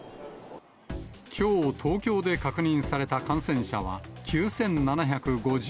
きょう、東京で確認された感染者は９７５５人。